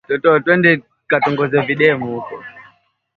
hati fungani zinatolewa na benki kuu ya tanzania